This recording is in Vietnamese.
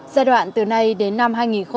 giai đoạn từ nay đến năm hai nghìn hai mươi năm